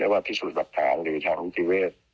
ว่าพิสูจน์หลักฐานหรือทางนิติเวศ